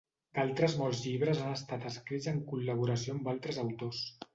D'altres molts llibres han estat escrits en col·laboració amb altres autors.